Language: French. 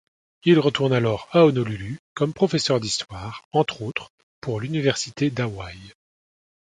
Il retourne alors à Honolulu comme professeur d'histoire entre autres pour l'Université d'Hawaï.